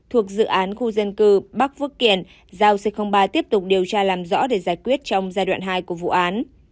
thuộc dự án khu dân cư bắc phước kiển giao c ba tiếp tục điều tra làm rõ để giải quyết trong giai đoạn hai của vụ án